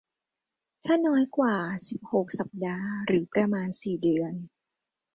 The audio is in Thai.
ถ้าน้อยกว่า สิบหก สัปดาห์หรือประมาณ สี่ เดือน